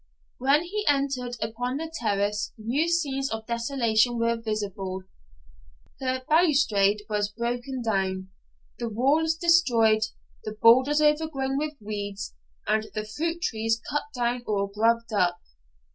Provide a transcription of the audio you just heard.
When he entered upon the terrace new scenes of desolation were visible. The balustrade was broken down, the walls destroyed, the borders overgrown with weeds, and the fruit trees cut down or grubbed up.